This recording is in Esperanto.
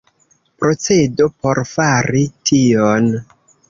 Procedo por fari tion.